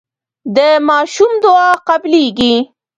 د ماشوم دعا قبليږي.